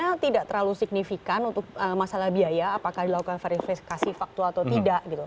sebenarnya tidak terlalu signifikan untuk masalah biaya apakah dilakukan verifikasi faktual atau tidak gitu